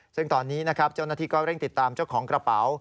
ซึ่งตอนนี้นะครับเจ้าหน้าที่ก็เร่งติดตามเจ้าของกระเป๋า